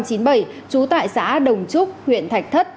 trú tại xã đồng trúc huyện thạch thất